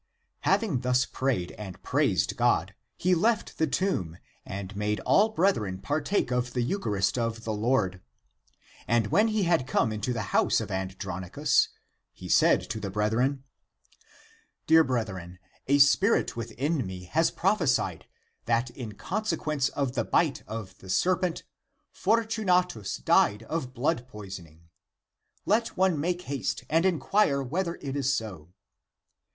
Having thus prayed and praised God, he left the tomb and made all brethren partake of the eu charist of the Lord. And when he had come into the house of Andronicus, he said to the brethren :" Dear brethren, a spirit within me has prophesied that, in consequence of the bite of the serpent For tunatus died of blood poisoning. Let one make haste and inquire whether it is so